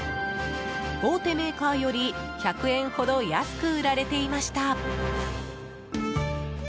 大手メーカーより１００円ほど安く売られていました。